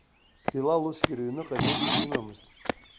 Билал усгьы рыҩныҟа неитәыс имамызт.